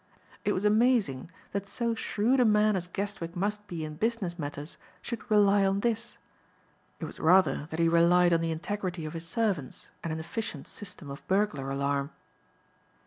It was amazing that so shrewd a man as Guestwick must be in business matters should rely on this. It was rather that he relied on the integrity of his servants and an efficient system of burglar alarm.